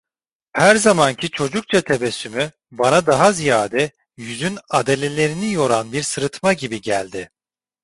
Her zamanki çocukça tebessümü bana daha ziyade yüzün adalelerini yoran bir sırıtma gibi geldi.